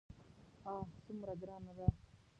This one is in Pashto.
آه څومره ګرانه ده.